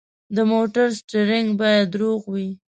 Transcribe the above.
د موټر سټیرینګ باید روغ وي.